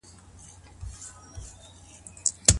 ګېڼې هم په صدقه کي ورکول کېدای سي.